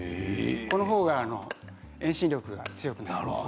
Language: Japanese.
このほうが、遠心力が強くなる。